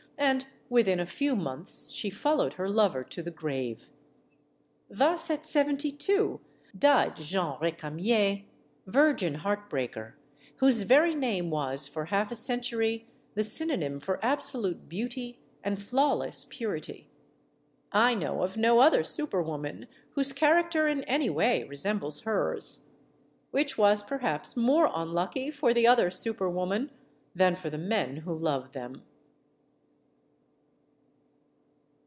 And within a few months she followed her lover to the grave. Thus, at seventy two, died Jeanne Recamier, virgin heartbreaker, whose very name was for half a century the synonym for absolute beauty and flawless purity. I know of no other super woman whose character in any way resembles hers. Which was, perhaps, more unlucky for the other super woman than for the men who loved them.